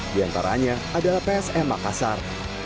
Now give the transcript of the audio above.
di antaranya adalah psm makassar